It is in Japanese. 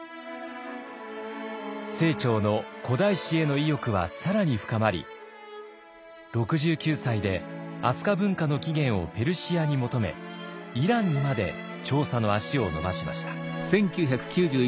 清張の古代史への意欲は更に深まり６９歳で飛鳥文化の起源をペルシアに求めイランにまで調査の足を延ばしました。